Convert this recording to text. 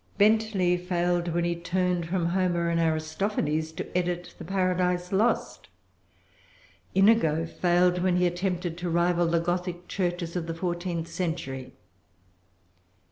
Bentley failed when he turned from Homer and Aristophanes, to edit the Paradise Lost. Inigo failed when he attempted to[Pg 394] rival the Gothic churches of the fourteenth century.